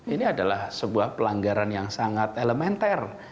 ini adalah sebuah pelanggaran yang sangat elementer